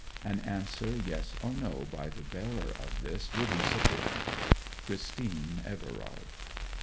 An answer yes or no by the bearer of this will be sufficient. CHRISTINE EVERARD.